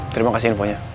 terima kasih infonya